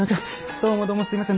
どうもどうもすいません。